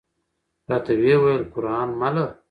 راته وې ویل: قران مله!